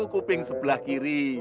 kuping sebelah kiri